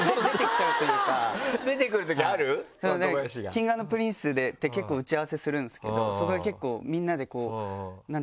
Ｋｉｎｇ＆Ｐｒｉｎｃｅで結構打ち合わせするんですけどそこで結構みんなでこう何ていうの？